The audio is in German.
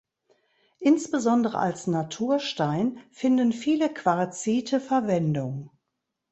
Insbesondere als Naturstein finden viele Quarzite Verwendung.